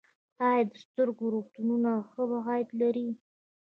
آیا د سترګو روغتونونه ښه عاید لري؟